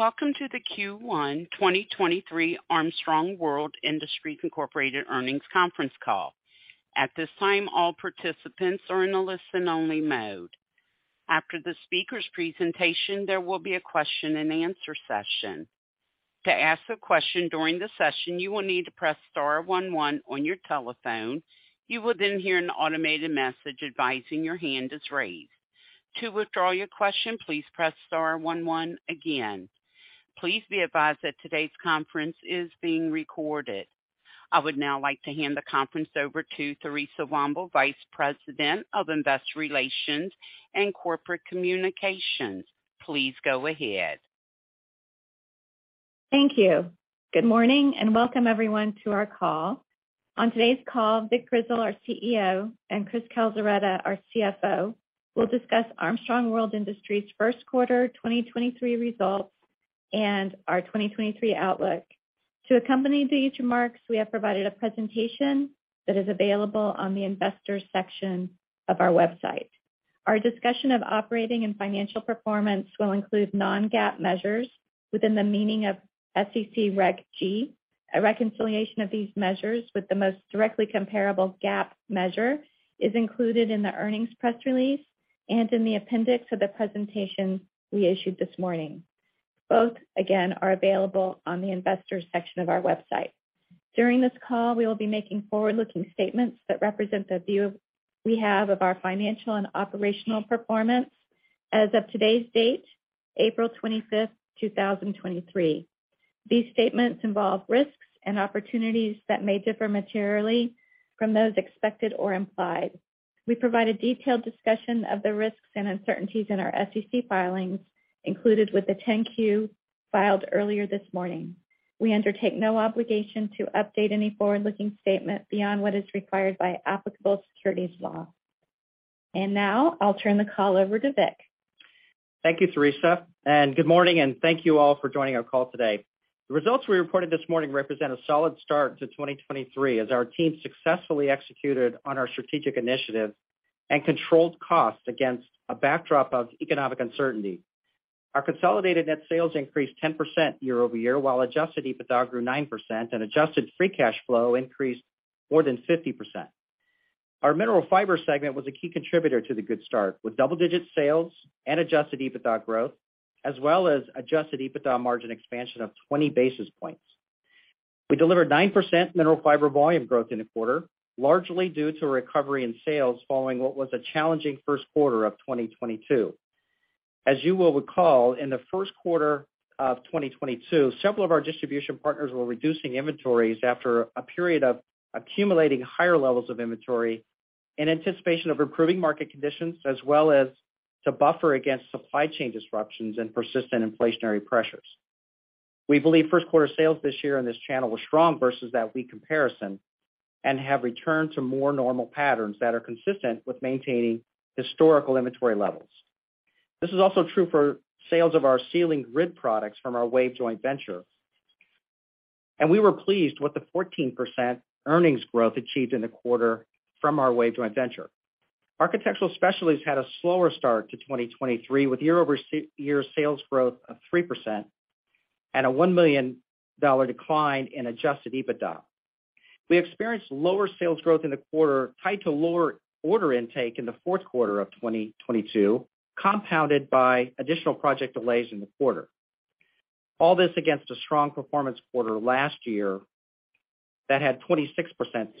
Welcome to the Q1 2023 Armstrong World Industries, Incorporated earnings conference call. At this time, all participants are in a listen-only mode. After the speaker's presentation, there will be a question-and-answer session. To ask a question during the session, you will need to press star one one on your telephone. You will then hear an automated message advising your hand is raised. To withdraw your question, please press star one one again. Please be advised that today's conference is being recorded. I would now like to hand the conference over to Theresa Womble, Vice President of Investor Relations and Corporate Communications. Please go ahead. Thank you. Good morning, and welcome everyone to our call. On today's call, Vic Grizzle, our CEO, and Chris Calzaretta, our CFO, will discuss Armstrong World Industries' first quarter 2023 results and our 2023 outlook. To accompany these remarks, we have provided a presentation that is available on the Investors section of our website. Our discussion of operating and financial performance will include non-GAAP measures within the meaning of SEC Reg G. A reconciliation of these measures with the most directly comparable GAAP measure is included in the earnings press release and in the appendix of the presentation we issued this morning. Both, again, are available on the Investors section of our website. During this call, we will be making forward-looking statements that represent the view we have of our financial and operational performance as of today's date, April 25th, 2023. These statements involve risks and opportunities that may differ materially from those expected or implied. We provide a detailed discussion of the risks and uncertainties in our SEC filings included with the Form 10-Q filed earlier this morning. We undertake no obligation to update any forward-looking statement beyond what is required by applicable securities law. Now I'll turn the call over to Vic. Thank you, Theresa. Good morning and thank you all for joining our call today. The results we reported this morning represent a solid start to 2023 as our team successfully executed on our strategic initiative and controlled costs against a backdrop of economic uncertainty. Our consolidated net sales increased 10% year-over-year, while adjusted EBITDA grew 9% and adjusted free cash flow increased more than 50%. Our Mineral Fiber segment was a key contributor to the good start, with double-digit sales and adjusted EBITDA growth, as well as adjusted EBITDA margin expansion of 20 basis points. We delivered 9% Mineral Fiber volume growth in the quarter, largely due to a recovery in sales following what was a challenging first quarter of 2022. As you will recall, in the first quarter of 2022, several of our distribution partners were reducing inventories after a period of accumulating higher levels of inventory in anticipation of improving market conditions, as well as to buffer against supply chain disruptions and persistent inflationary pressures. We believe first quarter sales this year in this channel were strong versus that weak comparison and have returned to more normal patterns that are consistent with maintaining historical inventory levels. This is also true for sales of our ceiling grid products from our WAVE joint venture, and we were pleased with the 14% earnings growth achieved in the quarter from our WAVE joint venture. Architectural Specialties had a slower start to 2023, with year-over-year sales growth of 3% and a $1 million decline in adjusted EBITDA. We experienced lower sales growth in the quarter tied to lower order intake in the fourth quarter of 2022, compounded by additional project delays in the quarter. All this against a strong performance quarter last year that had 26%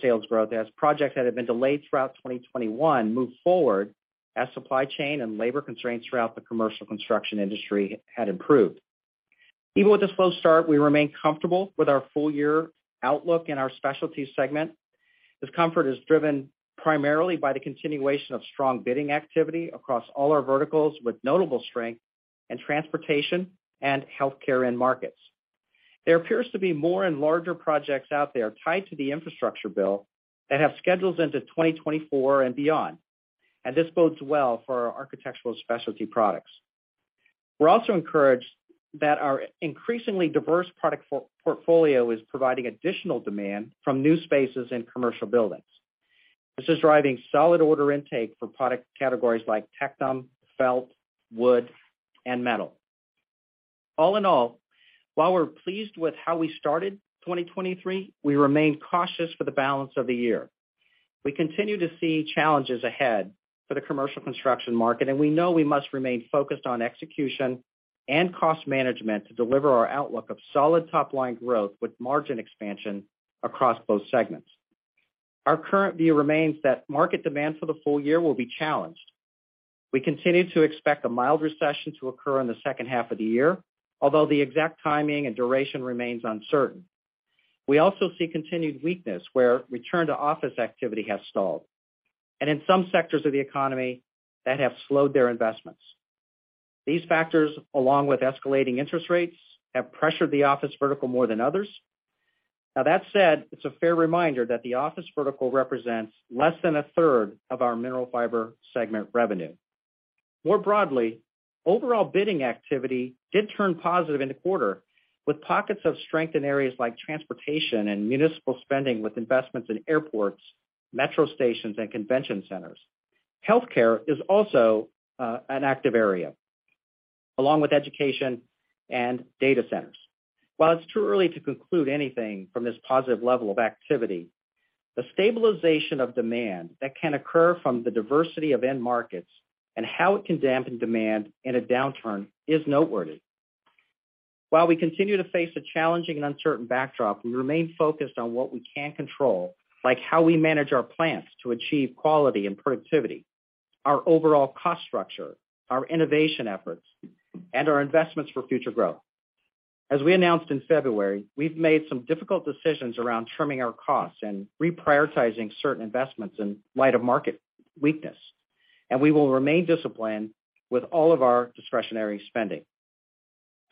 sales growth as projects that had been delayed throughout 2021 moved forward as supply chain and labor constraints throughout the commercial construction industry had improved. Even with the slow start we remain comfortable with our full year outlook in our Specialty segment. This comfort is driven primarily by the continuation of strong bidding activity across all our verticals, with notable strength in transportation and healthcare end markets. There appears to be more and larger projects out there tied to the infrastructure bill that have schedules into 2024 and beyond. This bodes well for our architectural specialty products. We're also encouraged that our increasingly diverse product portfolio is providing additional demand from new spaces in commercial buildings. This is driving solid order intake for product categories like TECTUM, felt, wood, and metal. While we're pleased with how we started 2023, we remain cautious for the balance of the year. We continue to see challenges ahead for the commercial construction market, we know we must remain focused on execution and cost management to deliver our outlook of solid top-line growth with margin expansion across both segments. Our current view remains that market demand for the full year will be challenged. We continue to expect a mild recession to occur in the second half of the year, although the exact timing and duration remains uncertain. We also see continued weakness where return to office activity has stalled and in some sectors of the economy that have slowed their investments. These factors, along with escalating interest rates, have pressured the office vertical more than others. That said, it's a fair reminder that the office vertical represents less than a third of our Mineral Fiber segment revenue. More broadly overall bidding activity did turn positive in the quarter, with pockets of strength in areas like transportation and municipal spending, with investments in airports, metro stations, and convention centers. Healthcare is also an active area, along with education and data centers. While it's too early to conclude anything from this positive level of activity, the stabilization of demand that can occur from the diversity of end markets and how it can dampen demand in a downturn is noteworthy. While we continue to face a challenging and uncertain backdrop, we remain focused on what we can control, like how we manage our plants to achieve quality and productivity, our overall cost structure, our innovation efforts, and our investments for future growth. As we announced in February, we've made some difficult decisions around trimming our costs and reprioritizing certain investments in light of market weakness, and we will remain disciplined with all of our discretionary spending.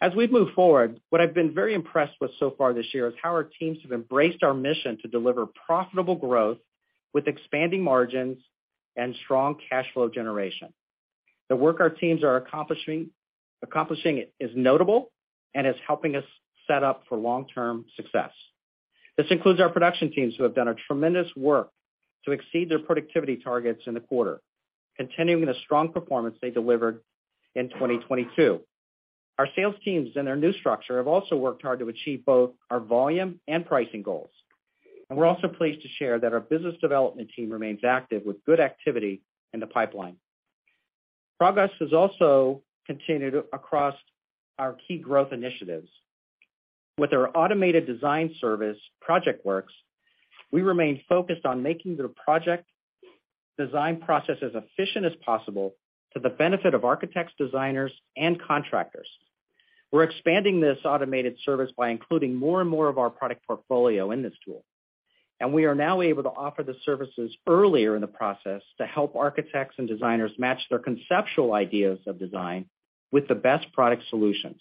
As we move forward, what I've been very impressed with so far this year is how our teams have embraced our mission to deliver profitable growth with expanding margins and strong cash flow generation. The work our teams are accomplishing is notable and is helping us set up for long-term success. This includes our production teams who have done a tremendous work to exceed their productivity targets in the quarter, continuing the strong performance they delivered in 2022. Our sales teams in their new structure have also worked hard to achieve both our volume and pricing goals. We're also pleased to share that our business development team remains active with good activity in the pipeline. Progress has also continued across our key growth initiatives. With our automated design service, ProjectWorks, we remain focused on making the project design process as efficient as possible to the benefit of architects, designers, and contractors. We're expanding this automated service by including more and more of our product portfolio in this tool. We are now able to offer the services earlier in the process to help architects and designers match their conceptual ideas of design with the best product solutions.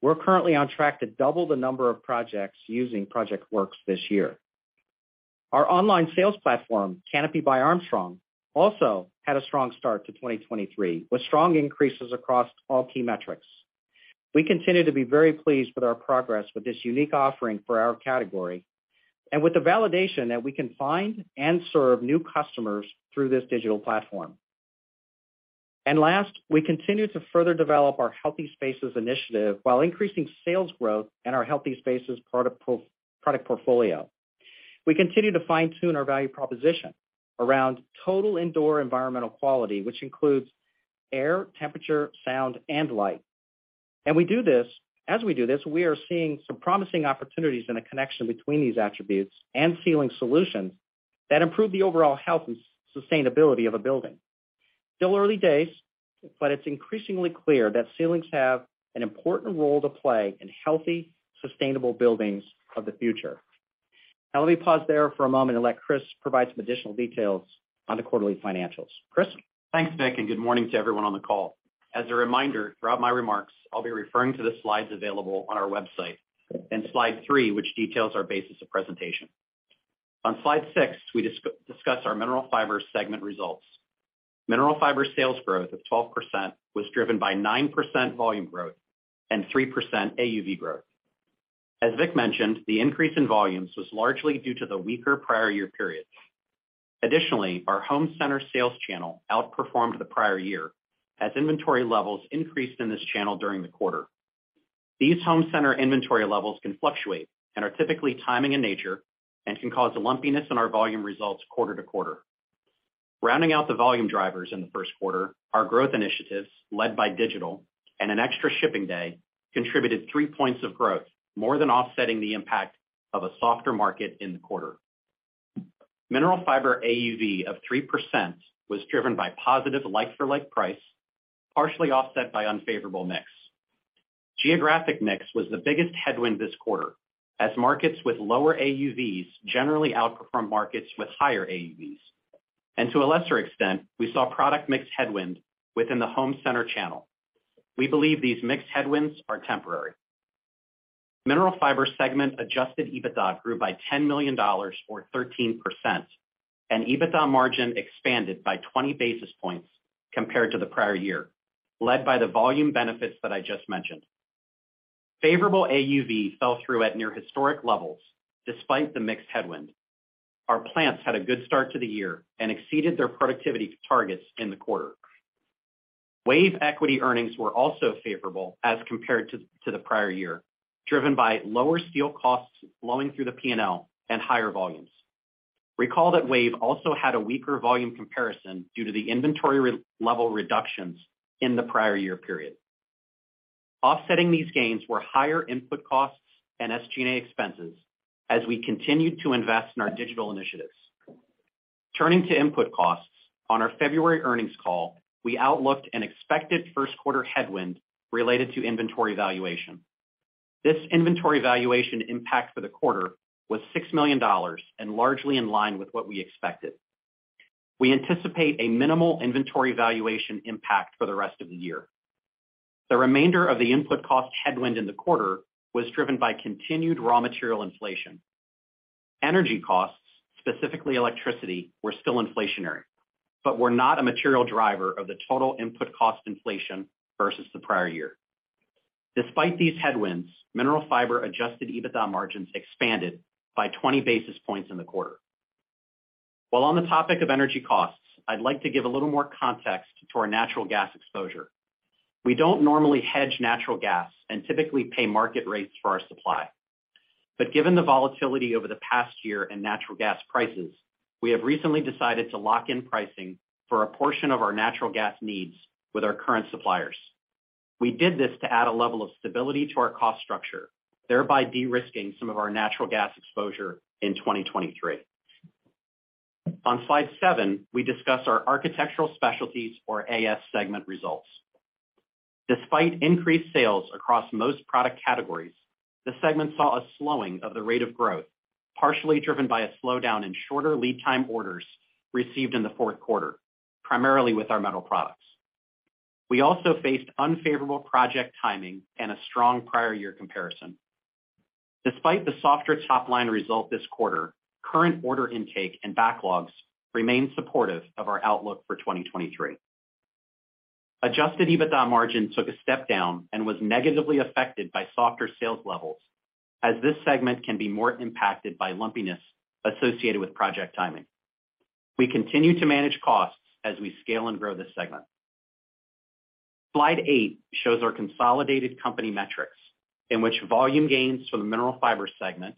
We're currently on track to double the number of projects using ProjectWorks this year. Our online sales platform, Canopy by Armstrong, also had a strong start to 2023, with strong increases across all key metrics. We continue to be very pleased with our progress with this unique offering for our category, and with the validation that we can find and serve new customers through this digital platform. Last, we continue to further develop our Healthy Spaces initiative while increasing sales growth in our Healthy Spaces product portfolio. We continue to fine-tune our value proposition around total indoor environmental quality, which includes air, temperature, sound, and light. As we do this we are seeing some promising opportunities and a connection between these attributes and ceiling solutions that improve the overall health and sustainability of a building. Still early days, but it's increasingly clear that ceilings have an important role to play in healthy, sustainable buildings of the future. Let me pause there for a moment and let Chris provide some additional details on the quarterly financials. Chris. Thanks, Vic, and good morning to everyone on the call. As a reminder, throughout my remarks, I'll be referring to the slides available on our website, and slide three which details our basis of presentation. On slide six, we discuss our Mineral Fiber segment results. Mineral Fiber sales growth of 12% was driven by 9% volume growth and 3% AUV growth. As Vic mentioned, the increase in volumes was largely due to the weaker prior year periods. Additionally, our home center sales channel outperformed the prior year as inventory levels increased in this channel during the quarter. These home center inventory levels can fluctuate and are typically timing in nature and can cause a lumpiness in our volume results quarter to quarter. Rounding out the volume drivers in the first quarter, our growth initiatives, led by digital and an extra shipping day, contributed 3 points of growth, more than offsetting the impact of a softer market in the quarter. Mineral Fiber AUV of 3% was driven by positive like-for-like price, partially offset by unfavorable mix. Geographic mix was the biggest headwind this quarter, as markets with lower AUVs generally outperform markets with higher AUVs. To a lesser extent, we saw product mix headwind within the home center channel. We believe these mix headwinds are temporary. Mineral Fiber segment adjusted EBITDA grew by $10 million, or 13% and EBITDA margin expanded by 20 basis points compared to the prior year, led by the volume benefits that I just mentioned. Favorable AUV fell through at near historic levels despite the mix headwind. Our plants had a good start to the year and exceeded their productivity targets in the quarter. WAVE equity earnings were also favorable as compared to the prior year, driven by lower steel costs flowing through the P&L and higher volumes. Recall that WAVE also had a weaker volume comparison due to the inventory level reductions in the prior year period. Offsetting these gains were higher input costs and SG&A expenses as we continued to invest in our digital initiatives. On our February earnings call, we outlooked an expected first quarter headwind related to inventory valuation. This inventory valuation impact for the quarter was $6 million and largely in line with what we expected. We anticipate a minimal inventory valuation impact for the rest of the year. The remainder of the input cost headwind in the quarter was driven by continued raw material inflation. Energy costs, specifically electricity, were still inflationary, but were not a material driver of the total input cost inflation versus the prior year. Despite these headwinds, Mineral Fiber adjusted EBITDA margins expanded by 20 basis points in the quarter. While on the topic of energy costs, I'd like to give a little more context to our natural gas exposure. We don't normally hedge natural gas and typically pay market rates for our supply. Given the volatility over the past year in natural gas priceswe have recently decided to lock in pricing for a portion of our natural gas needs with our current suppliers. We did this to add a level of stability to our cost structure, thereby de-risking some of our natural gas exposure in 2023. On slide seven we discuss our Architectural Specialties or AS segment results. Despite increased sales across most product categories, the segment saw a slowing of the rate of growth, partially driven by a slowdown in shorter lead time orders received in the fourth quarter, primarily with our metal products. We also faced unfavorable project timing and a strong prior year comparison. Despite the softer top-line result this quarter, current order intake and backlogs remain supportive of our outlook for 2023. Adjusted EBITDA margin took a step down and was negatively affected by softer sales levels as this segment can be more impacted by lumpiness associated with project timing. We continue to manage costs as we scale and grow this segment. Slide eight shows our consolidated company metrics in which volume gains from the Mineral Fiber segment,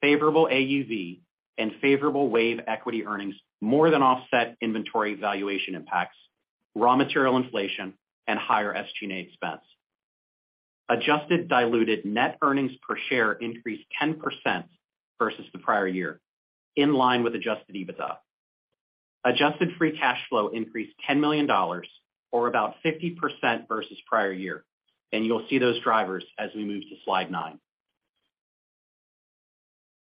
favorable AUV, and favorable WAVE equity earnings more than offset inventory valuation impacts, raw material inflation, and higher SG&A expense. Adjusted diluted net earnings per share increased 10% versus the prior year, in line with adjusted EBITDA. Adjusted free cash flow increased $10 million or about 50% versus prior year. You'll see those drivers as we move to slide nine.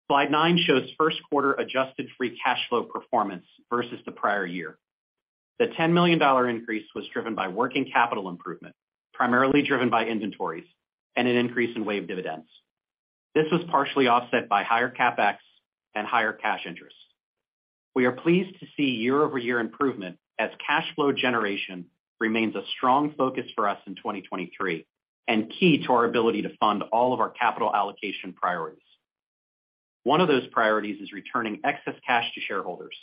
Slide nine shows first quarter adjusted free cash flow performance versus the prior year. The $10 million increase was driven by working capital improvement, primarily driven by inventories and an increase in WAVE dividends. This was partially offset by higher CapEx and higher cash interest. We are pleased to see year-over-year improvement as cash flow generation remains a strong focus for us in 2023, and key to our ability to fund all of our capital allocation priorities. One of those priorities is returning excess cash to shareholders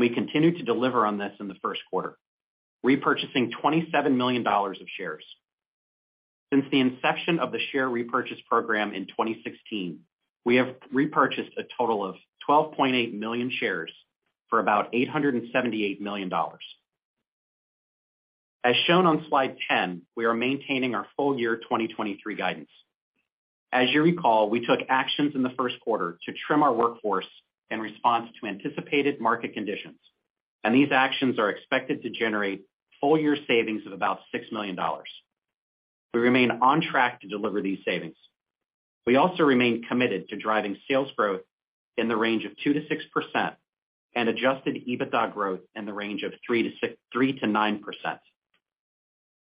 we continue to deliver on this in the first quarter, repurchasing $27 million of shares. Since the inception of the share repurchase program in 2016, we have repurchased a total of 12.8 million shares for about $878 million. As shown on slide 10, we are maintaining our full year 2023 guidance. As you recall, we took actions in the first quarter to trim our workforce in response to anticipated market conditions, these actions are expected to generate full year savings of about $6 million. We remain on track to deliver these savings. We also remain committed to driving sales growth in the range of 2%-6% and adjusted EBITDA growth in the range of 3%-9%.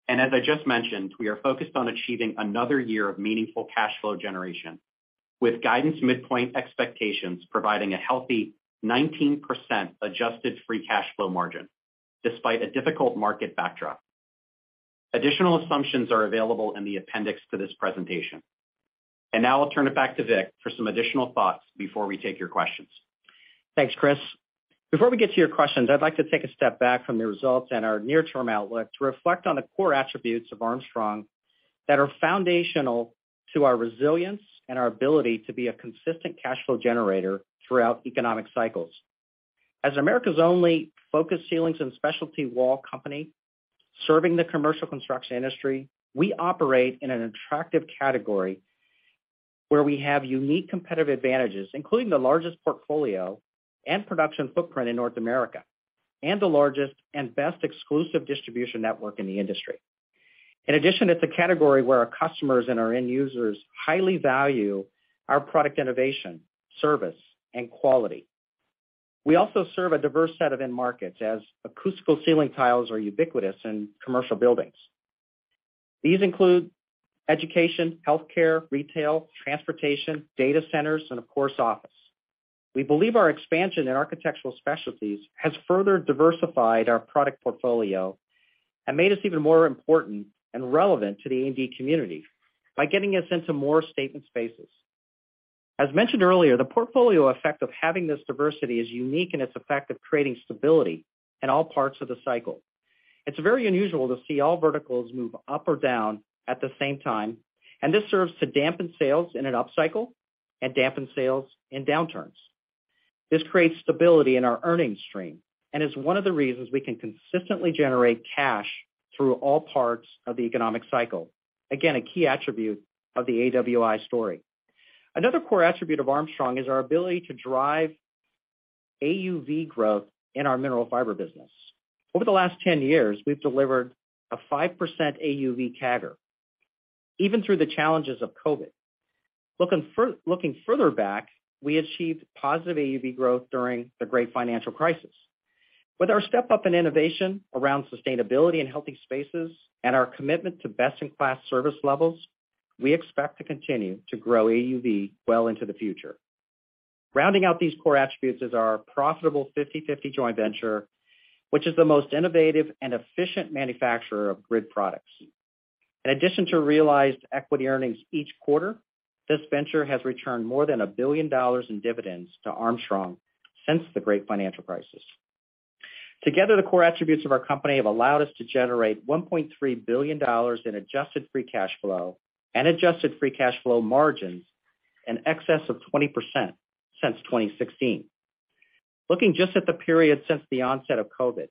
As I just mentioned, we are focused on achieving another year of meaningful cash flow generation with guidance midpoint expectations providing a healthy 19% adjusted free cash flow margin despite a difficult market backdrop. Additional assumptions are available in the appendix to this presentation. Now I'll turn it back to Vic for some additional thoughts before we take your questions. Thanks, Chris. Before we get to your questions, I'd like to take a step back from the results and our near-term outlook to reflect on the core attributes of Armstrong that are foundational to our resilience and our ability to be a consistent cash flow generator throughout economic cycles. As America's only focused ceilings and specialty wall company serving the commercial construction industry, we operate in an attractive category where we have unique competitive advantages, including the largest portfolio and production footprint in North America and the largest and best exclusive distribution network in the industry. In addition, it's a category where our customers and our end users highly value our product innovation, service, and quality. We also serve a diverse set of end markets as acoustical ceiling tiles are ubiquitous in commercial buildings. These include education, healthcare, retail, transportation, data centers, and of course, office. We believe our expansion in Architectural Specialties has further diversified our product portfolio and made us even more important and relevant to the A&D community by getting us into more statement spaces. As mentioned earlier, the portfolio effect of having this diversity is unique in its effect of creating stability in all parts of the cycle. It's very unusual to see all verticals move up or down at the same time. This serves to dampen sales in an upcycle and dampen sales in downturns. This creates stability in our earnings stream and is one of the reasons we can consistently generate cash through all parts of the economic cycle. Again, a key attribute of the AWI story. Another core attribute of Armstrong is our ability to drive AUV growth in our Mineral Fiber business. Over the last 10 years, we've delivered a 5% AUV CAGR even through the challenges of COVID. Looking further back, we achieved positive AUV growth during the great financial crisis. With our step up in innovation around sustainability and Healthy Spaces and our commitment to best-in-class service levels, we expect to continue to grow AUV well into the future. Rounding out these core attributes is our profitable 50-50 joint venture, which is the most innovative and efficient manufacturer of grid products. In addition to realized equity earnings each quarter, this venture has returned more than $1 billion in dividends to Armstrong since the great financial crisis. Together, the core attributes of our company have allowed us to generate $1.3 billion in adjusted free cash flow and adjusted free cash flow margins in excess of 20% since 2016. Looking just at the period since the onset of COVID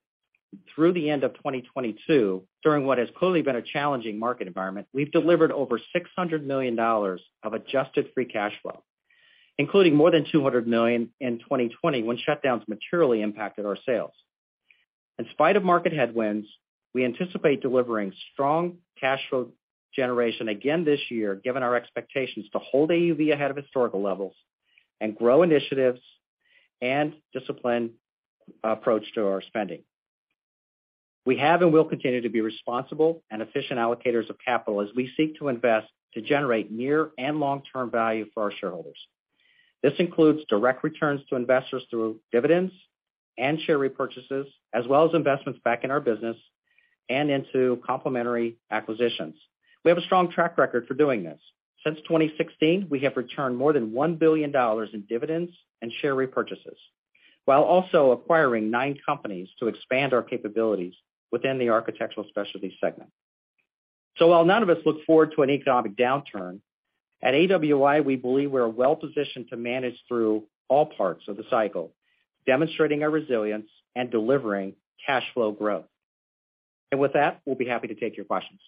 through the end of 2022, during what has clearly been a challenging market environment, we've delivered over $600 million of adjusted free cash flow, including more than $200 million in 2020 when shutdowns materially impacted our sales. In spite of market headwinds, we anticipate delivering strong cash flow generation again this year, given our expectations to hold AUV ahead of historical levels and grow initiatives and disciplined approach to our spending. We have and will continue to be responsible and efficient allocators of capital as we seek to invest to generate near and long-term value for our shareholders. This includes direct returns to investors through dividends and share repurchases, as well as investments back in our business and into complementary acquisitions. We have a strong track record for doing this. Since 2016, we have returned more than $1 billion in dividends and share repurchases, while also acquiring nine companies to expand our capabilities within the Architectural Specialties segment. While none of us look forward to an economic downturn, at AWI, we believe we're well-positioned to manage through all parts of the cycle, demonstrating our resilience and delivering cash flow growth. With that, we'll be happy to take your questions.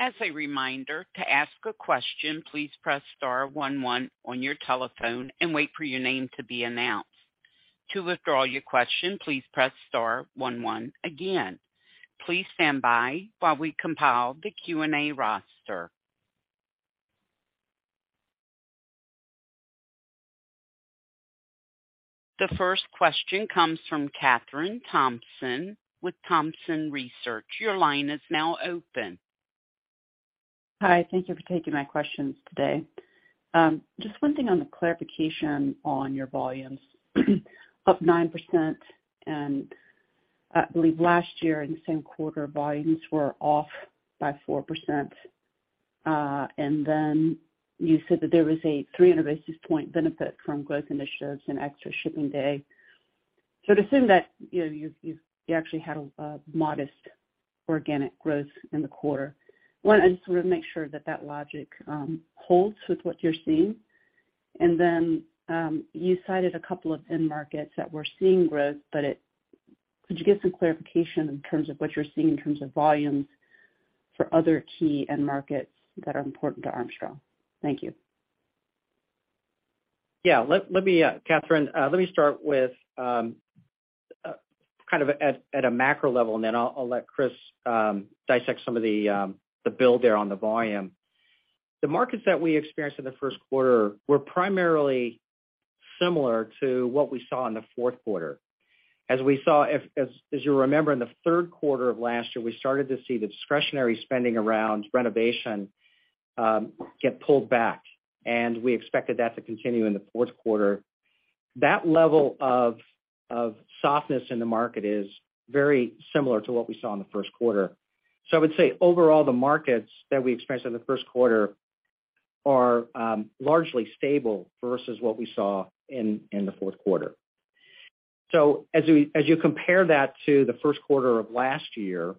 As a reminder, to ask a question, please press star one one on your telephone and wait for your name to be announced. To withdraw your question, please press star one one again. Please stand by while we compile the Q&A roster. The first question comes from Kathryn Thompson with Thompson Research. Your line is now open. Hi, thank you for taking my questions today. Just one thing on the clarification on your volumes. Up 9% and I believe last year in the same quarter, volumes were off by 4%. You said that there was a 300 basis point benefit from growth initiatives and extra shipping day. To assume that, you actually had a modest organic growth in the quarter. One, I just wanna make sure that that logic holds with what you're seeing. You cited a couple of end markets that were seeing growth, but could you give some clarification in terms of what you're seeing in terms of volumes for other key end markets that are important to Armstrong? Thank you. Yeah. Let me, Kathryn, let me start with kind of at a macro level, and then I'll let Chris dissect some of the build there on the volume. The markets that we experienced in the first quarter were primarily similar to what we saw in the fourth quarter. As we saw, as you remember, in the third quarter of last year, we started to see the discretionary spending around renovation get pulled back, and we expected that to continue in the fourth quarter. That level of softness in the market is very similar to what we saw in the first quarter. I would say overall, the markets that we experienced in the first quarter are largely stable versus what we saw in the fourth quarter. As you compare that to the first quarter of last year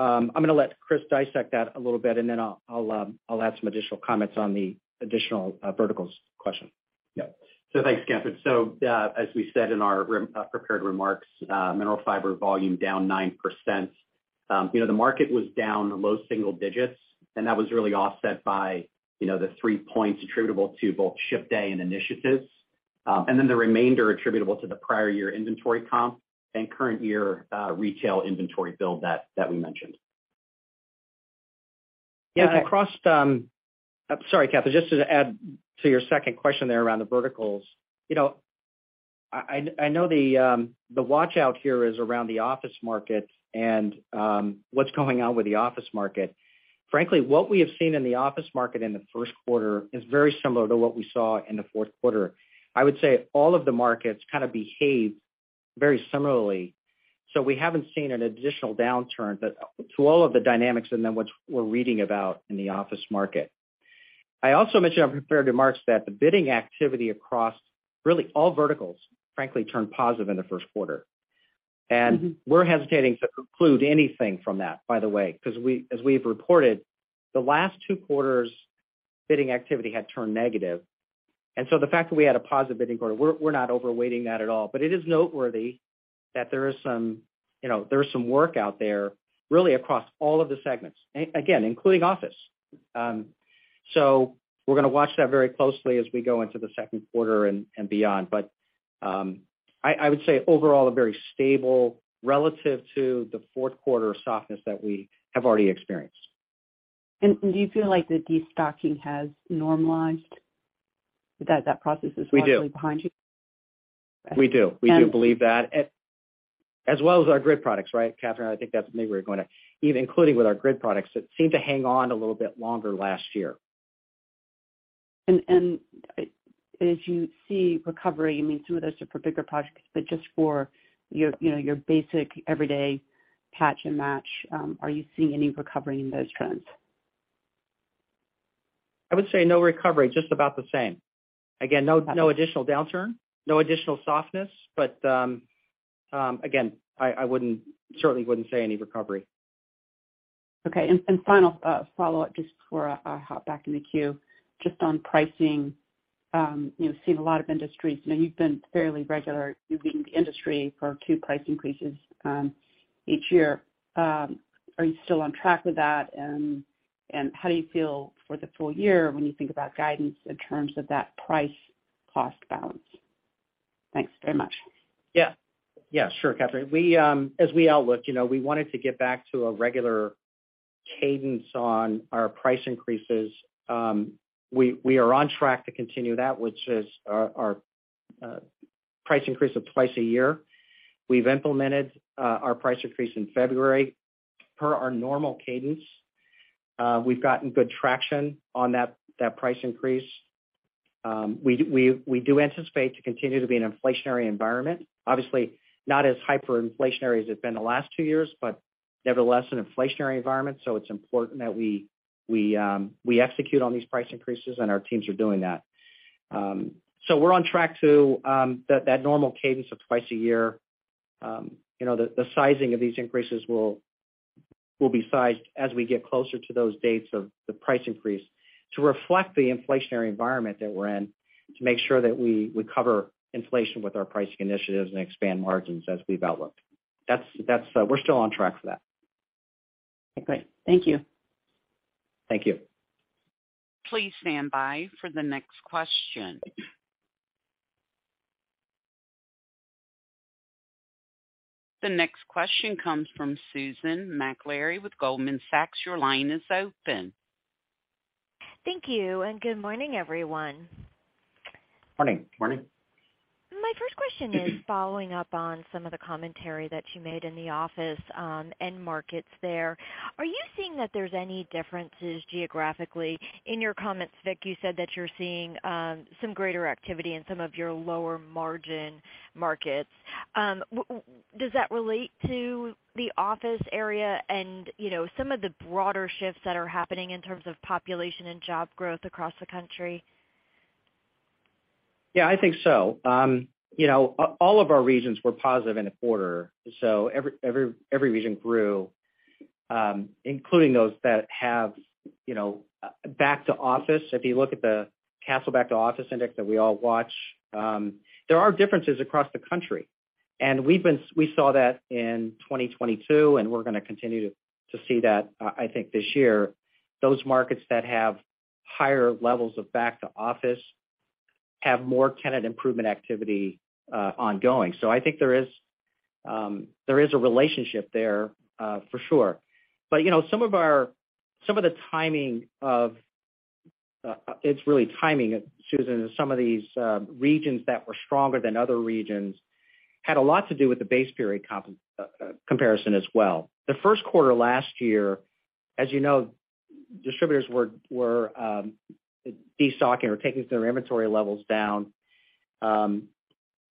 I'm gonna let Chris dissect that a little bit, and then I'll add some additional comments on the additional verticals question. Yeah. Thanks, Kathryn. As we said in our prepared remarks, Mineral Fiber volume down 9%. You know, the market was down low single digits, and that was really offset by, you know, the 3 points attributable to both ship day and initiatives. The remainder attributable to the prior year inventory comp and current year retail inventory build that we mentioned. Yeah, across, Sorry, Kathryn, just to add to your second question there around the verticals. You know, I know the watch out here is around the office market and what's going on with the office market. Frankly, what we have seen in the office market in the first quarter is very similar to what we saw in the fourth quarter. I would say all of the markets kind of behaved very similarly. We haven't seen an additional downturn, but to all of the dynamics and then what we're reading about in the office market. I also mentioned in my prepared remarks that the bidding activity across really all verticals frankly turned positive in the first quarter. We're hesitating to conclude anything from that, by the way, 'cause as we've reported, the last two quarters bidding activity had turned negative. The fact that we had a positive bidding quarter, we're not overweighting that at all. It is noteworthy that there is some, you know, there is some work out there really across all of the segments, again, including office. We're gonna watch that very closely as we go into the second quarter and beyond. I would say overall a very stable relative to the fourth quarter softness that we have already experienced. Do you feel like the destocking has normalized that process largely behind you? We do believe that. As well as our grid products, right, Kathryn? I think that's maybe where you're going at. Even including with our grid products that seemed to hang on a little bit longer last year. As you see recovery, I mean, some of those are for bigger projects, but just for your, you know, your basic everyday patch and match, are you seeing any recovery in those trends? I would say no recovery, just about the same. Again, no additional downturn, no additional softness. Again, I wouldn't certainly say any recovery. Okay. Final, follow-up just before I hop back in the queue. Just on pricing, you've seen a lot of industries. You know, you've been fairly regular. You've beaten the industry for two price increases, each year. Are you still on track with that? How do you feel for the full year when you think about guidance in terms of that price cost balance? Thanks very much. Yeah. Yeah, sure, Kathryn. We, as we outlook, you know, we wanted to get back to a regular cadence on our price increases. We are on track to continue that, which is our price increase of twice a year. We've implemented our price increase in February per our normal cadence. We've gotten good traction on that price increase. We do anticipate to continue to be an inflationary environment. Obviously, not as hyperinflationary as it's been the last two years, but nevertheless an inflationary environment. It's important that we execute on these price increases, and our teams are doing that. We're on track to that normal cadence of twice a year. You know, the sizing of these increases will be sized as we get closer to those dates of the price increase to reflect the inflationary environment that we're in, to make sure that we cover inflation with our pricing initiatives and expand margins as we've outlook. That's. We're still on track for that. Okay. Thank you. Thank you. Please stand by for the next question. The next question comes from Susan Maklari with Goldman Sachs. Your line is open. Thank you. Good morning, everyone. Morning. Morning. My first question is following up on some of the commentary that you made in the office, end markets there. Are you seeing that there's any differences geographically? In your comments, Vic, you said that you're seeing, some greater activity in some of your lower margin markets. Does that relate to the office area and, you know, some of the broader shifts that are happening in terms of population and job growth across the country? Yeah, I think so. You know, all of our regions were positive in the quarter, so every region grew, including those that have, you know, back to office. If you look at the Kastle Back to Office Index that we all watch, there are differences across the country. We saw that in 2022, and we're gonna continue to see that, I think this year. Those markets that have higher levels of back to office have more tenant improvement activity ongoing. I think there is a relationship there for sure. You know, some of the timing of, it's really timing, Susan, some of these regions that were stronger than other regions had a lot to do with the base period comparison as well. The first quarter last year, as you know, distributors were destocking or taking their inventory levels down.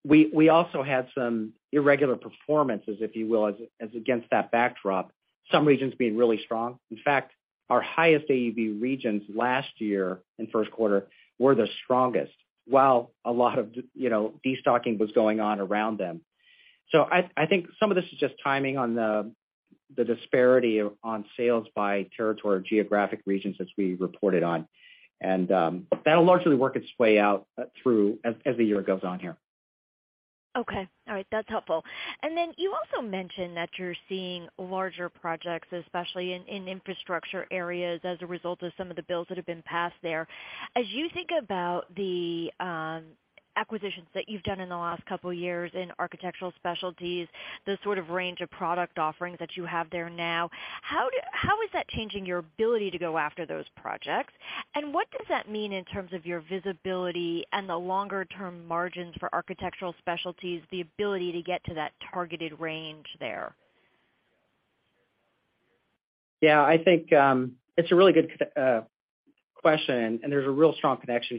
We also had some irregular performances, if you will, as against that backdrop, some regions being really strong. In fact, our highest AUV regions last year in first quarter were the strongest while a lot of you know, destocking was going on around them. I think some of this is just timing on the disparity on sales by territory or geographic regions as we reported on. That'll largely work its way out through as the year goes on here. Okay. All right. That's helpful. You also mentioned that you're seeing larger projects, especially in infrastructure areas as a result of some of the bills that have been passed there. As you think about the acquisitions that you've done in the last couple years in Architectural Specialties, the sort of range of product offerings that you have there now, how is that changing your ability to go after those projects? What does that mean in terms of your visibility and the longer term margins for Architectural Specialties, the ability to get to that targeted range there? Yeah, I think, it's a really good question, and there's a real strong connection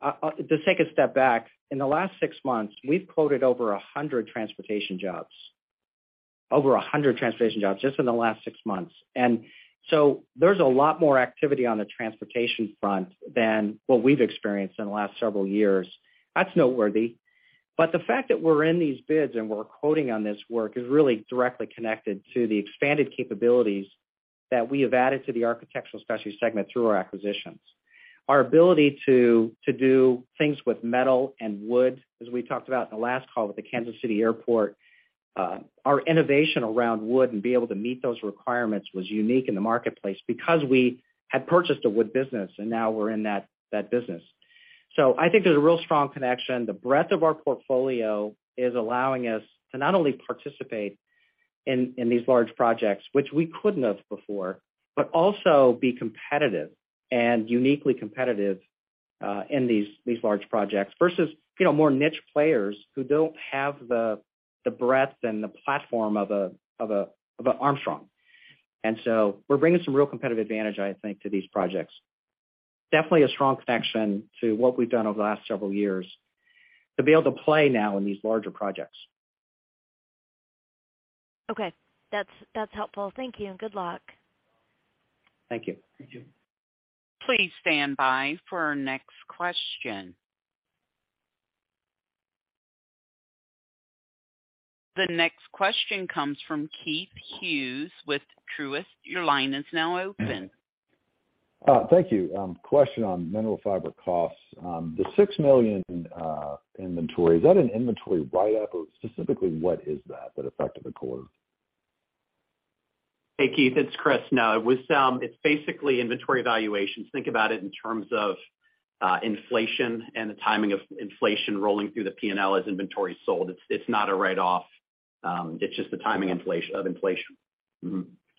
here to our participation. I mean, to take a step back, in the last six months, we've quoted over 100 transportation jobs. Over 100 transportation jobs just in the last six months. There's a lot more activity on the transportation front than what we've experienced in the last several years. That's noteworthy. The fact that we're in these bids and we're quoting on this work is really directly connected to the expanded capabilities that we have added to the Architectural Specialties segment through our acquisitions. Our ability to do things with metal and wood, as we talked about in the last call with the Kansas City Airport, our innovation around wood and be able to meet those requirements was unique in the marketplace because we had purchased a wood business, and now we're in that business. I think there's a real strong connection. The breadth of our portfolio is allowing us to not only participate in these large projects, which we couldn't have before, but also be competitive and uniquely competitive in these large projects versus, you know, more niche players who don't have the breadth and the platform of an Armstrong. We're bringing some real competitive advantage, I think, to these projects. Definitely a strong connection to what we've done over the last several years to be able to play now in these larger projects. Okay. That's helpful. Thank you, and good luck. Thank you. Thank you. Please stand by for our next question. The next question comes from Keith Hughes with Truist. Your line is now open. Thank you. Question on Mineral Fiber costs. The $6 million inventory, is that an inventory write-up, or specifically what is that affected the quarter? Hey, Keith, it's Chris. No, it was. It's basically inventory valuations. Think about it in terms of inflation and the timing of inflation rolling through the P&L as inventory is sold. It's not a write-off, it's just the timing of inflation.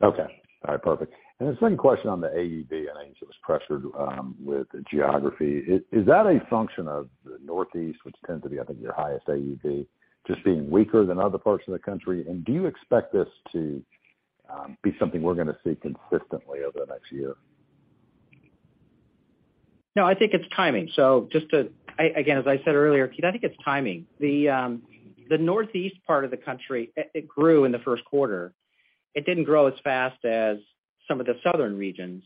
Okay. All right, perfect. The second question on the AUV, I think it was pressured with the geography. Is that a function of the Northeast, which tends to be, I think, your highest AUV, just being weaker than other parts of the country? Do you expect this to be something we're gonna see consistently over the next year? No, I think it's timing. just to again, as I said earlier Keith I think it's timing. The Northeast part of the country, it grew in the first quarter. It didn't grow as fast as some of the southern regions.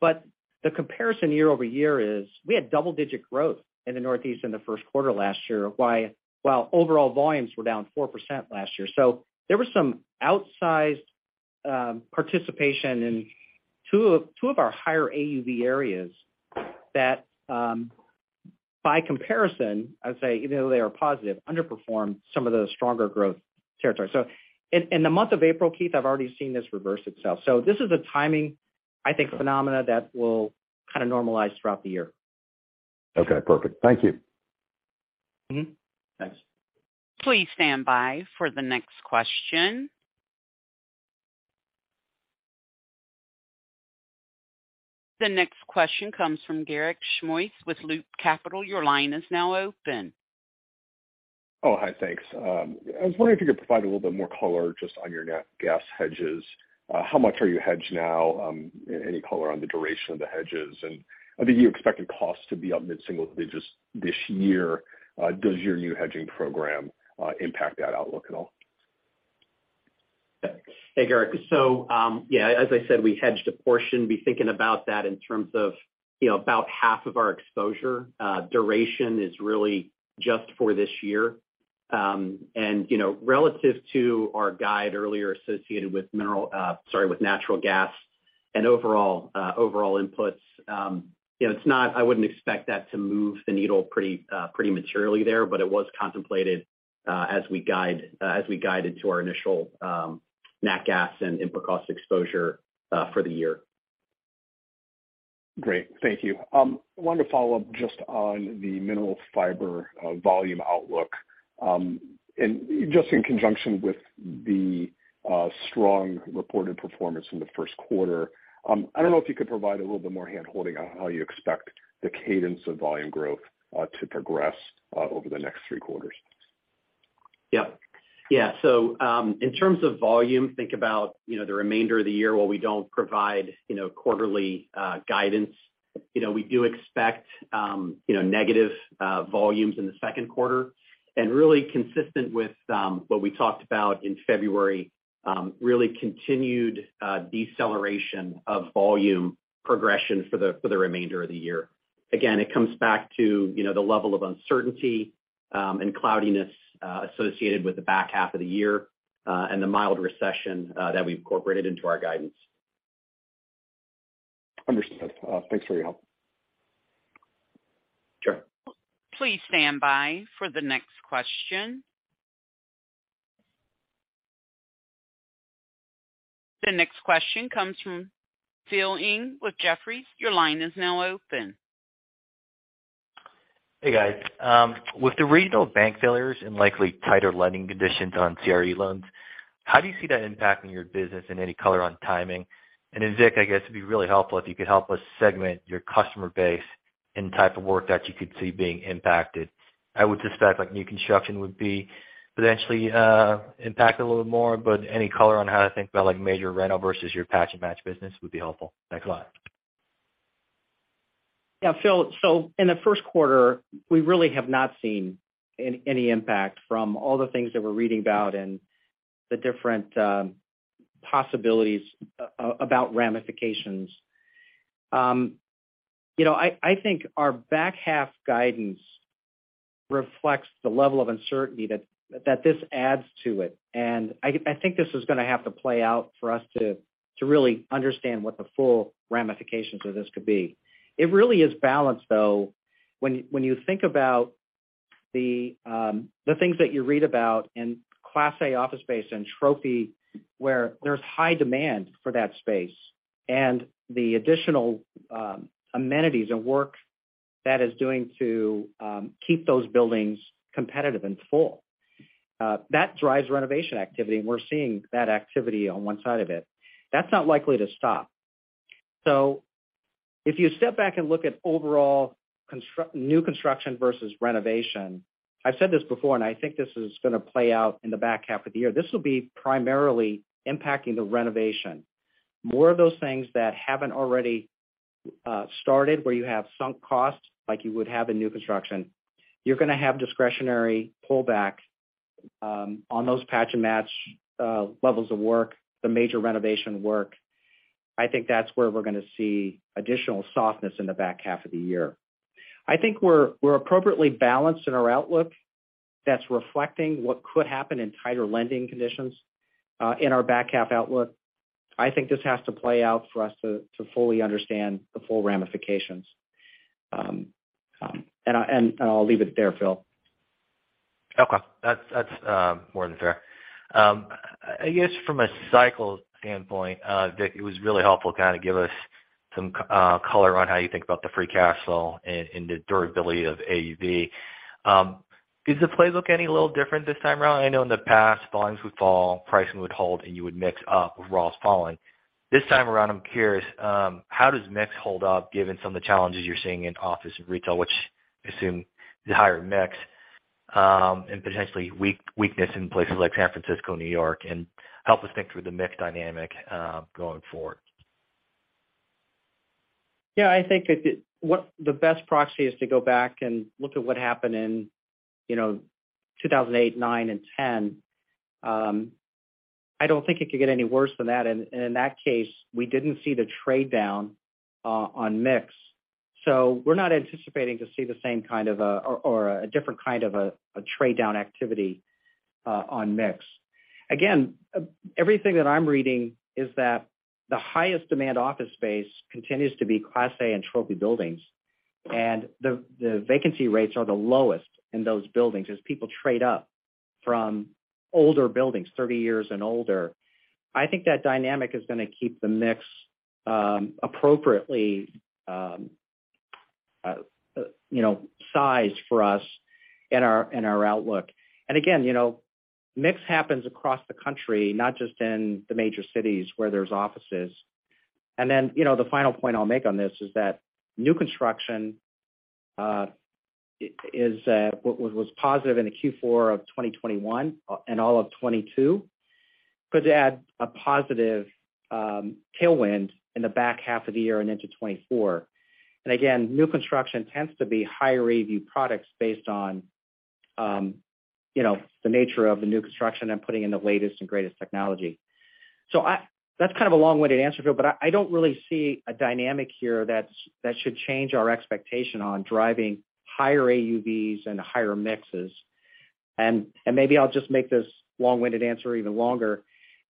The comparison year-over-year is we had double-digit growth in the Northeast in the first quarter last year, while overall volumes were down 4% last year. there was some outsized participation in two of our higher AUV areas that by comparison, I would say, even though they are positive, underperformed some of the stronger growth territories. In the month of April, Keith, I've already seen this reverse itself. This is a timing, I think, phenomena that will kinda normalize throughout the year. Okay, perfect. Thank you. Thanks. Please stand by for the next question. The next question comes from Garik Shmois with Loop Capital. Your line is now open. Oh, hi. Thanks. I was wondering if you could provide a little bit more color just on your nat-gas hedges. How much are you hedged now? Any color on the duration of the hedges? I think you expected costs to be up mid-single digits this year. Does your new hedging program impact that outlook at all? Hey, Garik. Yeah, as I said, we hedged a portion. Be thinking about that in terms of, you know, about half of our exposure. Duration is really just for this year. You know, relative to our guide earlier associated with sorry, with natural gas and overall inputs, you know, I wouldn't expect that to move the needle pretty materially there, but it was contemplated as we guided to our initial nat gas and input cost exposure for the year. Great. Thank you. wanted to follow up just on the Mineral Fiber volume outlook, and just in conjunction with the strong reported performance in the first quarter. I don't know if you could provide a little bit more hand-holding on how you expect the cadence of volume growth to progress over the next three quarters. Yep. Yeah. In terms of volume, think about, you know, the remainder of the year, while we don't provide, you know, quarterly guidance. We do expect, you know, negative volumes in the second quarter and really consistent with what we talked about in February, really continued deceleration of volume progression for the remainder of the year. It comes back to, you know, the level of uncertainty and cloudiness associated with the back half of the year and the mild recession that we've incorporated into our guidance. Understood. Thanks for your help. Sure. Please stand by for the next question. The next question comes from Philip Ng with Jefferies. Your line is now open. Hey, guys. With the regional bank failures and likely tighter lending conditions on CRE loans, how do you see that impacting your business and any color on timing? Vic, I guess it'd be really helpful if you could help us segment your customer base and type of work that you could see being impacted. I would suspect, like, new construction would be potentially impacted a little more, any color on how to think about, like, major reno versus your patch and match business would be helpful. Thanks a lot. Yeah, Phil, in the first quarter, we really have not seen any impact from all the things that we're reading about and the different possibilities about ramifications. you know, I think our back half guidance reflects the level of uncertainty that this adds to it. I think this is gonna have to play out for us to really understand what the full ramifications of this could be. It really is balanced, though. When you think about the things that you read about in Class A office space and trophy, where there's high demand for that space and the additional amenities and work that is doing to keep those buildings competitive and full. That drives renovation activity, and we're seeing that activity on one side of it. That's not likely to stop. If you step back and look at overall new construction versus renovation, I've said this before, and I think this is gonna play out in the back half of the year. This will be primarily impacting the renovation. More of those things that haven't already started, where you have sunk costs, like you would have in new construction, you're gonna have discretionary pullback on those patch and match levels of work, the major renovation work. I think that's where we're gonna see additional softness in the back half of the year. I think we're appropriately balanced in our outlook that's reflecting what could happen in tighter lending conditions in our back half outlook. I think this has to play out for us to fully understand the full ramifications, and I'll leave it there, Phil. Okay. That's more than fair. I guess from a cycle standpoint, Vic, it was really helpful kind of give us some color on how you think about the free cash flow and the durability of AUV. Is the playbook any little different this time around? I know in the past, volumes would fall, pricing would hold, and you would mix up with raw falling. This time around, I'm curious, how does mix hold up given some of the challenges you're seeing in office and retail, which I assume is higher mix, and potentially weakness in places like San Francisco and New York, help us think through the mix dynamic going forward. Yeah, I think what the best proxy is to go back and look at what happened in, you know, 2008, 2009 and 2010. I don't think it could get any worse than that, and in that case, we didn't see the trade-down on mix. We're not anticipating to see the same kind of a different kind of a trade-down activity on mix. Again, everything that I'm reading is that the highest demand office space continues to be Class A and trophy buildings. The vacancy rates are the lowest in those buildings as people trade up from older buildings 30 years and older. I think that dynamic is gonna keep the mix appropriately, you know, sized for us in our, in our outlook. Again, you know, mix happens across the country, not just in the major cities where there's offices. You know, the final point I'll make on this is that new construction is positive in the Q4 of 2021 and all of 2022, could add a positive tailwind in the back half of the year and into 2024. Again, new construction tends to be higher AUV products based on, you know, the nature of the new construction and putting in the latest and greatest technology. That's kind of a long-winded answer, Phil, but I don't really see a dynamic here that's, that should change our expectation on driving higher AUVs and higher mixes. Maybe I'll just make this long-winded answer even longer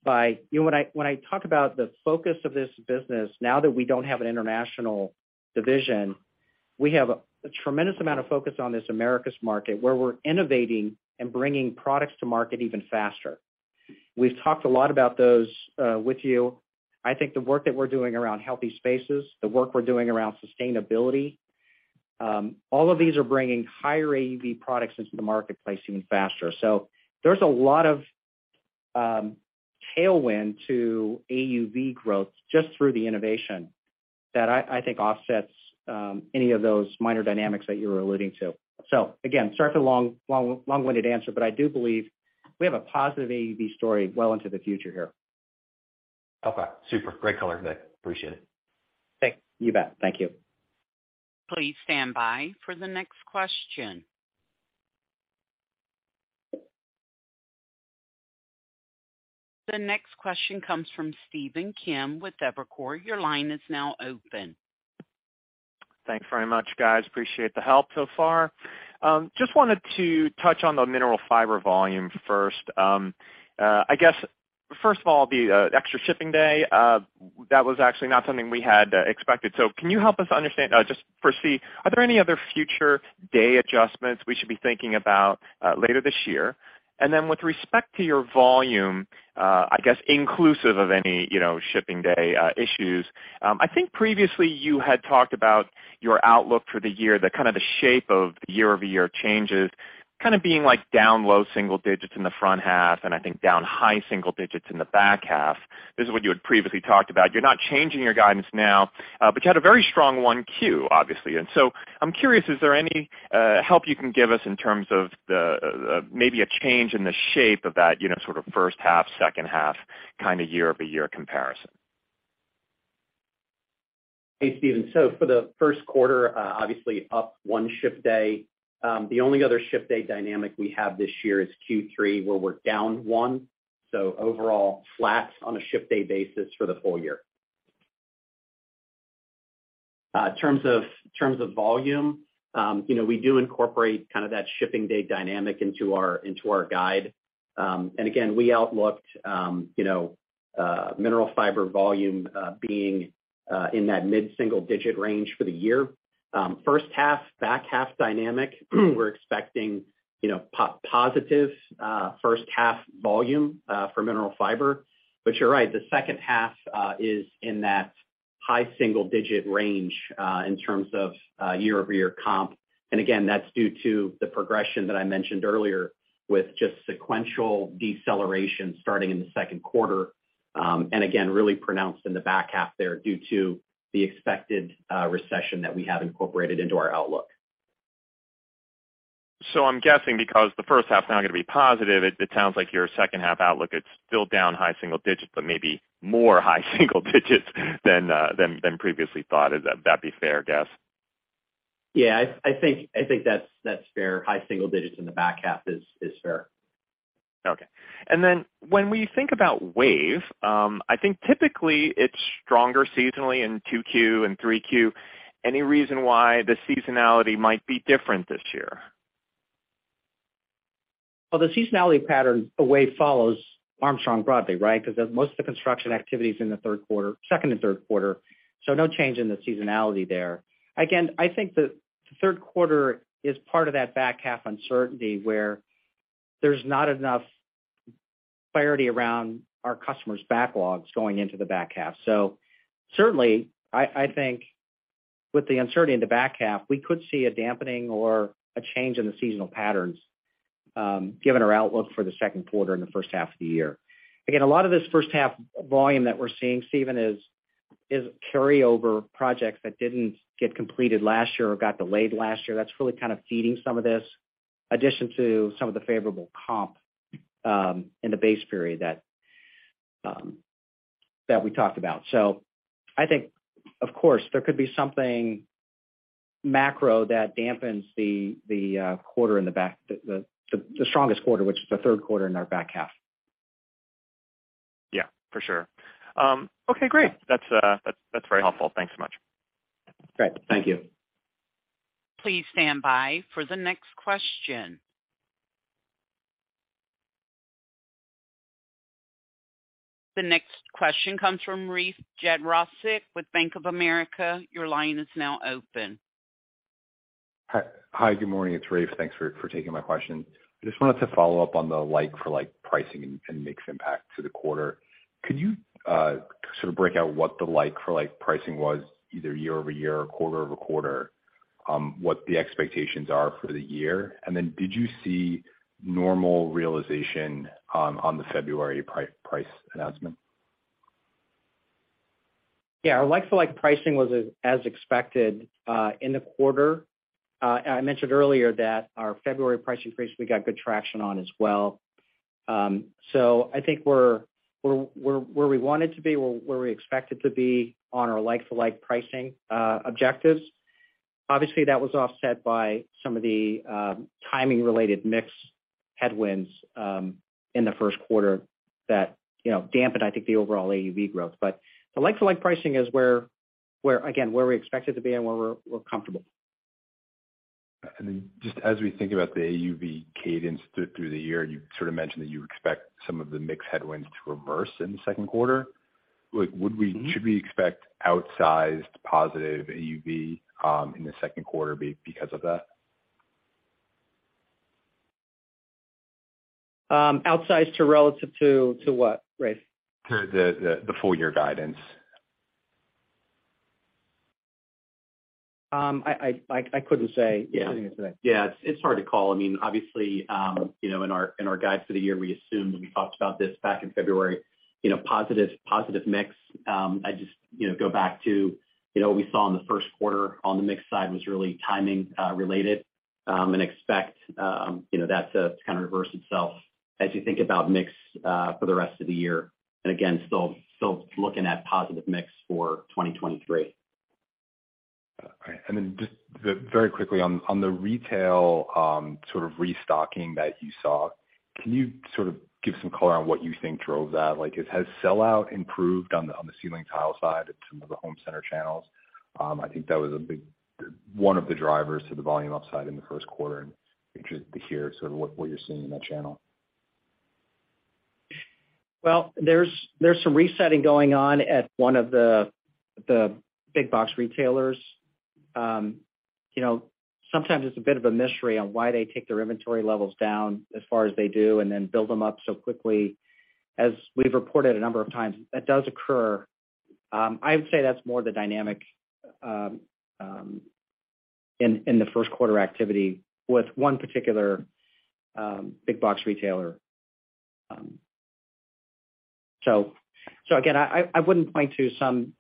by, you know, when I, when I talk about the focus of this business now that we don't have an international division, we have a tremendous amount of focus on this Americas market where we're innovating and bringing products to market even faster. We've talked a lot about those with you. I think the work that we're doing around Healthy Spaces, the work we're doing around sustainability, all of these are bringing higher AUV products into the marketplace even faster. There's a lot of tailwind to AUV growth just through the innovation that I think offsets any of those minor dynamics that you're alluding to. Again, sorry for the long, long, long-winded answer, but I do believe we have a positive AUV story well into the future here. Okay. Super. Great color, Vic. Appreciate it. Thanks. You bet. Thank you. Please stand by for the next question. The next question comes from Stephen Kim with Evercore. Your line is now open. Thanks very much, guys. Appreciate the help so far. Just wanted to touch on the Mineral Fiber volume first. I guess first of all, the extra shipping day that was actually not something we had expected. Can you help us understand, just foresee, are there any other future day adjustments we should be thinking about later this year? With respect to your volume, I guess inclusive of any, you know, shipping day issues. I think previously you had talked about your outlook for the year, the kind of the shape of year-over-year changes kind of being like down low single digits in the front half and I think down high single digits in the back half. This is what you had previously talked about. You're not changing your guidance now. You had a very strong 1Q obviously. I'm curious, is there any help you can give us in terms of the maybe a change in the shape of that, you know, sort of first half, second half kind of year-over-year comparison? Hey, Stephen. For the first quarter, obviously up one ship day. The only other ship day dynamic we have this year is Q3, where we're down one. Overall flat on a ship day basis for the full year. Terms of volume, you know, we do incorporate kind of that shipping day dynamic into our, into our guide. Again, we outlooked, you know, Mineral Fiber volume being in that mid-single digit range for the year. First half, back half dynamic, we're expecting, you know, positive first half volume for Mineral Fiber.. You're right, the second half is in that high single digit range in terms of year-over-year comp, again, that's due to the progression that I mentioned earlier with just sequential deceleration starting in the second quarter, and again, really pronounced in the back half there due to the expected recession that we have incorporated into our outlook. I'm guessing because the first half is now going to be positive, it sounds like your second half outlook, it's still down high single digits, but maybe more high single digits than previously thought. Would that'd be fair guess? Yeah. I think that's fair. High-single-digits in the back half is fair. Okay. Then when we think about WAVE, I think typically it's stronger seasonally in 2Q and 3Q. Any reason why the seasonality might be different this year? Well, the seasonality pattern WAVE follows Armstrong broadly, right? Because most of the construction activity is in the third quarter, second and third quarter, no change in the seasonality there. I think the third quarter is part of that back half uncertainty, where there's not enough clarity around our customers' backlogs going into the back half. Certainly I think with the uncertainty in the back half, we could see a dampening or a change in the seasonal patterns, given our outlook for the second quarter and the first half of the year. A lot of this first half volume that we're seeing, Stephen, is carryover projects that didn't get completed last year or got delayed last year. That's really kind of feeding some of this, addition to some of the favorable comp, in the base period that we talked about. I think, of course, there could be something macro that dampens the, quarter in the back, the strongest quarter, which is the third quarter in our back half. Yeah, for sure. Okay, great. That's very helpful. Thanks so much. Great. Thank you. Please stand by for the next question. The next question comes from Rafe Jadrosich with Bank of America. Your line is now open. Hi. Good morning. It's Rafe. Thanks for taking my question. I just wanted to follow up on the like-for-like pricing and mix impact to the quarter. Could you sort of break out what the like-for-like pricing was either year-over-year or quarter-over-quarter, what the expectations are for the year? Did you see normal realization on the February price announcement? Yeah. Our like-for-like pricing was as expected in the quarter. I mentioned earlier that our February price increase, we got good traction on as well. I think we're where we wanted to be, we're where we expected to be on our like-for-like pricing objectives. Obviously, that was offset by some of the timing-related mix headwinds in the first quarter that, you know, dampened, I think, the overall AUV growth. The like-for-like pricing is where again, where we expected to be and where we're comfortable. Just as we think about the AUV cadence through the year, you sort of mentioned that you expect some of the mix headwinds to reverse in the second quarter. Like, Mm-hmm. Should we expect outsized positive AUV, in the second quarter because of that? Outsized relative to what, Rafe? To the full year guidance. I couldn't say. Yeah. Yeah. It's hard to call. I mean, obviously, you know, in our guide for the year, we assumed, and we talked about this back in February, you know, positive mix. I just, you know, go back to, you know, what we saw in the first quarter on the mix side was really timing, related, and expect, you know, that to kinda reverse itself as you think about mix, for the rest of the year. Again, still looking at positive mix for 2023. All right. Just very quickly on the retail sort of restocking that you saw, can you sort of give some color on what you think drove that? Like, has sellout improved on the ceiling tile side at some of the home center channels? I think that was a big one of the drivers to the volume upside in the first quarter, and be interested to hear sort of what you're seeing in that channel. Well, there's some resetting going on at one of the big box retailers. You know, sometimes it's a bit of a mystery on why they take their inventory levels down as far as they do and then build them up so quickly. As we've reported a number of times, that does occur. I would say that's more the dynamic in the first quarter activity with one particular big box retailer. Again, I wouldn't point to some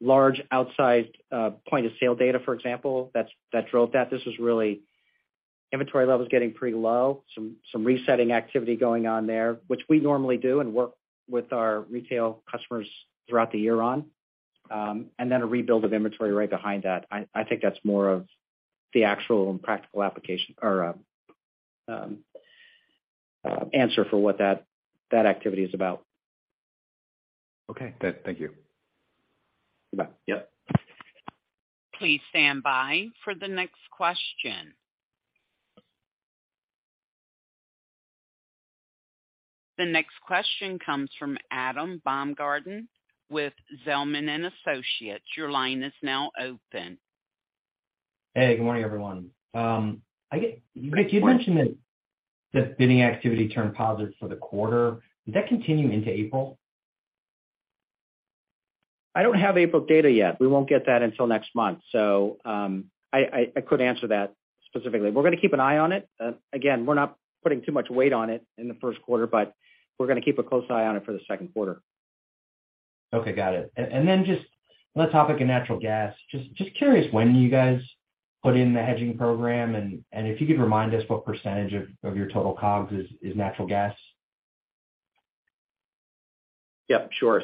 large outsized point of sale data, for example, that drove that. This was really inventory levels getting pretty low, some resetting activity going on there, which we normally do and work with our retail customers throughout the year on, and then a rebuild of inventory right behind that. I think that's more of the actual practical application or answer for what that activity is about. Okay. Good. Thank you. You bet. Yep. Please stand by for the next question. The next question comes from Adam Baumgarten with Zelman & Associates. Your line is now open. Hey, good morning, everyone. Vic, you had mentioned that the bidding activity turned positive for the quarter. Did that continue into April? I don't have April data yet. We won't get that until next month. I couldn't answer that specifically. We're gonna keep an eye on it. again, we're not putting too much weight on it in the first quarter but we're gonna keep a close eye on it for the second quarter. Okay, got it. Just on the topic of natural gas, just curious when you guys put in the hedging program and if you could remind us what percentage of your total COGS is natural gas. Yep, sure.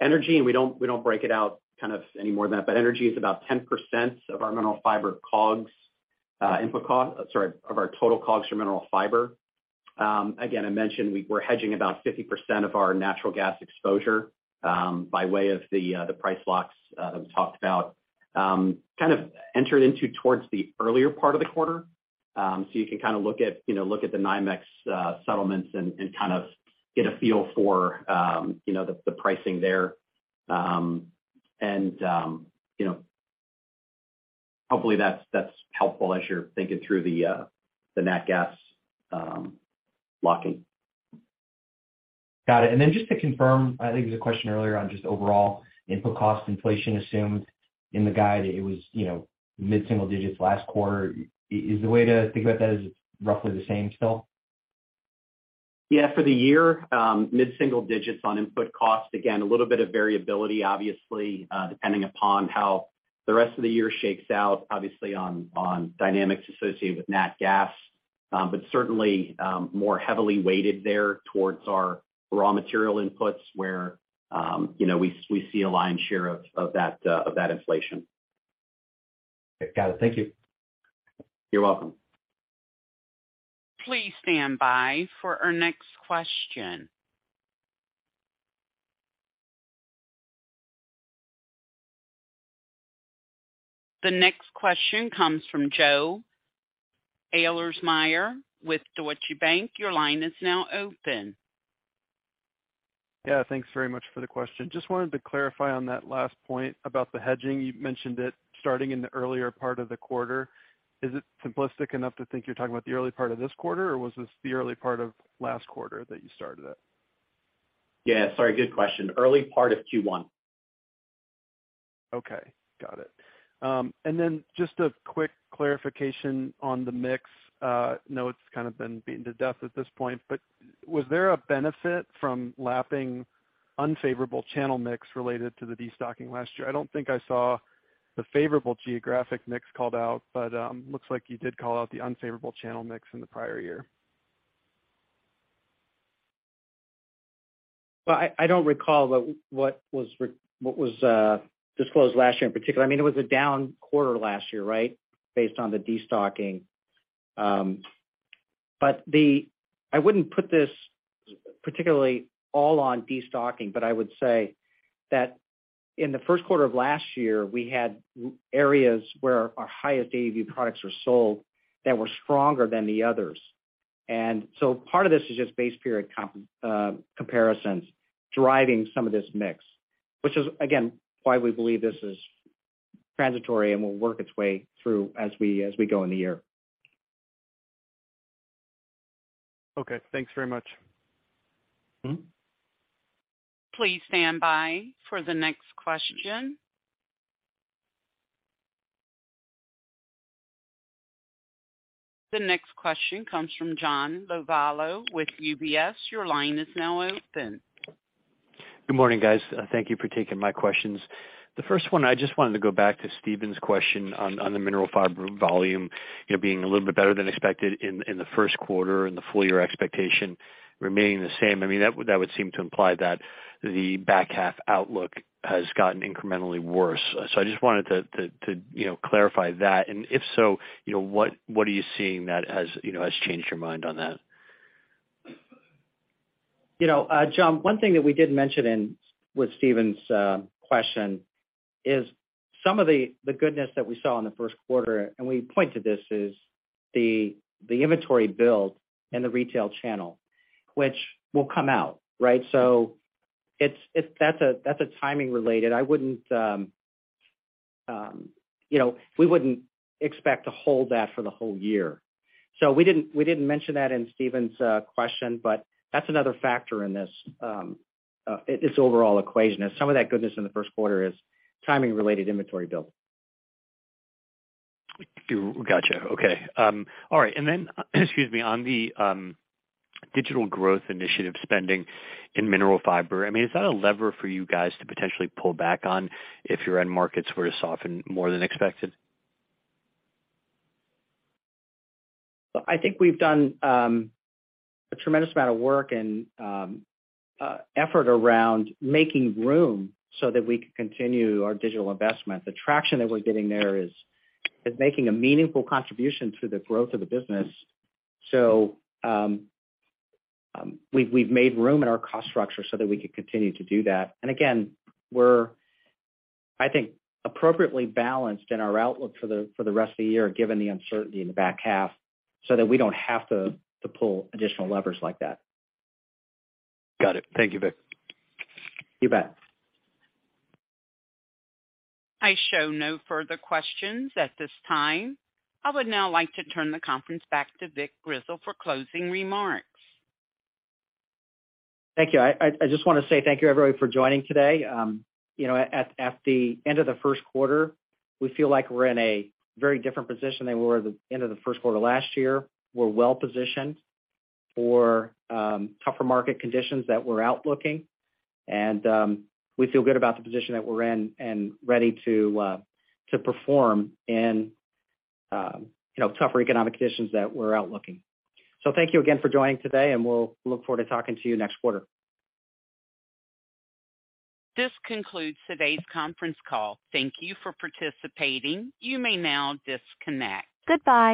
Energy, and we don't, we don't break it out kind of any more than that, but energy is about 10% of our Mineral Fiber COGS, input, sorry, of our total COGS for Mineral Fiber. Again, I mentioned we're hedging about 50% of our natural gas exposure by way of the price locks that I've talked about. Kind of entered into towards the earlier part of the quarter. You can kind of look at, you know, look at the NYMEX settlements and kind of get a feel for, you know, the pricing there. You know, hopefully that's helpful as you're thinking through the nat gas locking. Got it. Just to confirm, I think it was a question earlier on just overall input cost inflation assumed in the guide. It was, you know, mid-single digits last quarter. Is the way to think about that is it's roughly the same still? For the year, mid-single digits on input cost. Again, a little bit of variability, obviously, depending upon how the rest of the year shakes out, obviously on dynamics associated with nat gas. But certainly, more heavily weighted there towards our raw material inputs where, you know, we see a lion's share of that inflation. Got it. Thank you. You're welcome. Please stand by for our next question. The next question comes from Joe Ahlersmeyer with Deutsche Bank. Your line is now open. Yeah, thanks very much for the question. Just wanted to clarify on that last point about the hedging. You mentioned it starting in the earlier part of the quarter. Is it simplistic enough to think you're talking about the early part of this quarter or was this the early part of last quarter that you started it? Yeah, sorry, good question. Early part of Q1. Okay, got it. Just a quick clarification on the mix. I know it's kind of been beaten to death at this point, but was there a benefit from lapping unfavorable channel mix related to the destocking last year? I don't think I saw the favorable geographic mix called out, but looks like you did call out the unfavorable channel mix in the prior year. Well, I don't recall what was disclosed last year in particular. It was a down quarter last year, right, based on the destocking. But I wouldn't put this particularly all on destocking, but I would say that in the first quarter of last year, we had areas where our highest AB products were sold that were stronger than the others. Part of this is just base period comp comparisons driving some of this mix, which is, again, why we believe this is transitory and will work its way through as we go in the year. Okay, thanks very much. Mm-hmm. Please stand by for the next question. The next question comes from John Lovallo with UBS. Your line is now open. Good morning, guys. Thank you for taking my questions. The first one, I just wanted to go back to Stephen's question on the Mineral Fiber volume, you know, being a little bit better than expected in the first quarter and the full-year expectation remaining the same. I mean, that would seem to imply that the back half outlook has gotten incrementally worse. I just wanted to, you know, clarify that. If so, you know, what are you seeing that has changed your mind on that? You know, John, one thing that we did mention in with Stephen's question is some of the goodness that we saw in the fisrt quarter, we point to this, is the inventory build in the retail channel, which will come out, right? That's a timing related. I wouldn't, you know, we wouldn't expect to hold that for the whole year. We didn't mention that in Stephen's question that's another factor in this overall equation, is some of that goodness in the first quarter is timing related inventory build. Thank you. Gotcha. Okay. All right. Excuse me, on the digital growth initiative spending in Mineral Fiber, I mean, is that a lever for you guys to potentially pull back on if your end markets were to soften more than expected? I think we've done a tremendous amount of work and effort around making room so that we can continue our digital investment. The traction that we're getting there is making a meaningful contribution to the growth of the business. We've made room in our cost structure so that we can continue to do that. Again, we're, I think, appropriately balanced in our outlook for the rest of the year, given the uncertainty in the back half, so that we don't have to pull additional levers like that. Got it. Thank you, Vic. You bet. I show no further questions at this time. I would now like to turn the conference back to Vic Grizzle for closing remarks. Thank you. I just wanna say thank you, everybody, for joining today. You know, at the end of the first quarter, we feel like we're in a very different position than we were at the end of the first quarter last year. We're well positioned for tougher market conditions that we're outlooking. We feel good about the position that we're in and ready to perform in, you know, tougher economic conditions that we're outlooking. Thank you again for joining today, and we'll look forward to talking to you next quarter. This concludes today's conference call. Thank you for participating. You may now disconnect. Goodbye.